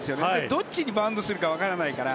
どっちにバウンドするか分からないから。